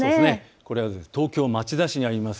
これは東京町田市にあります